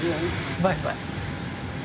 バイバイ。